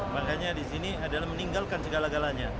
makanya disini adalah meninggalkan segala galanya